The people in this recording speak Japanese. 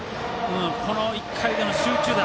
この１回での集中打。